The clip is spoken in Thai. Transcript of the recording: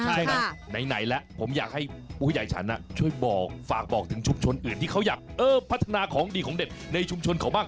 ใช่แล้วไหนแล้วผมอยากให้ผู้ใหญ่ฉันช่วยบอกฝากบอกถึงชุมชนอื่นที่เขาอยากพัฒนาของดีของเด็ดในชุมชนเขาบ้าง